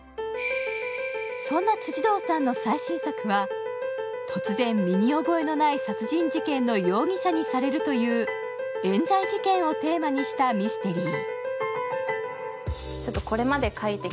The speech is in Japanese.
そんな辻堂さんの最新作は突然、身に覚えのない殺人事件の容疑者にされるというえん罪事件をテーマにしたミステリー。